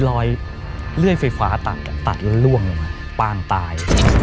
รอยเล่ไฟฟ้าตัดอ่ะตัดล้วนล่วงมาปานตาย